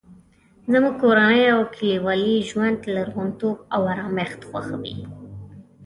زموږ کورنۍ د کلیوالي ژوند لرغونتوب او ارامښت خوښوي